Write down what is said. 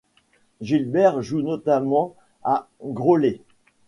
Gilbert joue notamment à Graulhet.